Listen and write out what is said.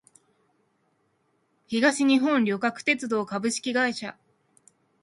東日本旅客鉄道株式会社